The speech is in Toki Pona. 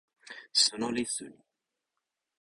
suno li suli.